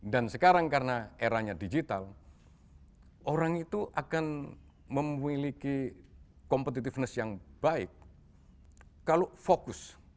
dan sekarang karena eranya digital orang itu akan memiliki competitiveness yang baik kalau fokus